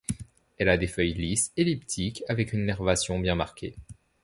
Elle a des feuilles lisses-elliptiques avec une nervation bien marquée.